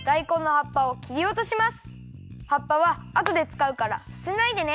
葉っぱはあとでつかうからすてないでね。